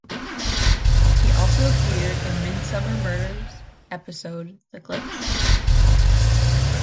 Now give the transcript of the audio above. He also appeared in the "Midsomer Murders" episode "The Glitch".